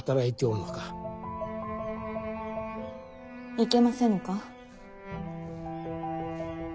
いけませぬか。